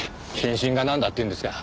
謹慎がなんだっていうんですか。